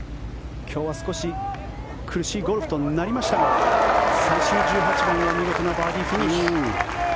今日は少し苦しいゴルフとなりましたが最終１８番見事なバーディーフィニッシュ。